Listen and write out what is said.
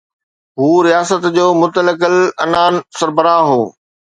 هو رياست جو مطلق العنان سربراهه هو.